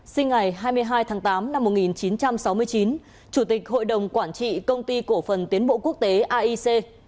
sinh ngày hai mươi hai tháng tám năm một nghìn chín trăm sáu mươi chín chủ tịch hội đồng quản trị công ty cổ phần tiến bộ quốc tế aic